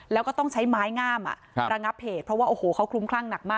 แล้วก็ต้องใช้ไม้งามระงับเหตุเพราะว่าโอ้โหเขาคลุ้มคลั่งหนักมาก